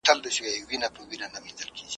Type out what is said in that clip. په بچو چي یې خوشاله زیږوه یې ,